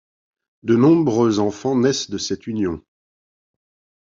De nombreux enfants naissent de cette union.